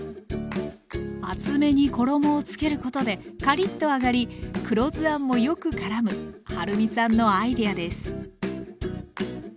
厚めに衣をつけることでカリッと揚がり黒酢あんもよくからむはるみさんのアイデアです。